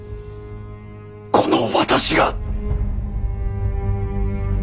この私が。